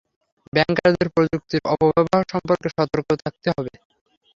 ব্যাংকারদের প্রযুক্তির অপব্যবহার সম্পর্কে সতর্ক থাকতে হবে।